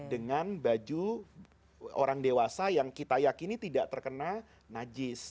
dengan baju orang dewasa yang kita yakini tidak terkena najis